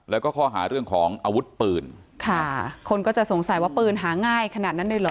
แล้วก็ข้อหาเรื่องของอาวุธปืนค่ะคนก็จะสงสัยว่าปืนหาง่ายขนาดนั้นเลยเหรอ